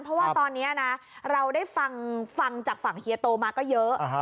เพราะว่าตอนนี้นะเราได้ฟังจากฝั่งเฮียโตมาก็เยอะ